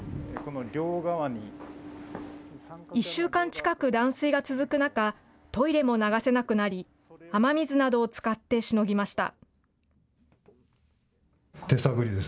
１週間近く断水が続く中、トイレも流せなくなり、雨水などを使ってしのぎました。